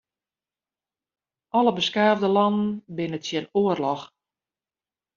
Alle beskaafde lannen binne tsjin oarloch.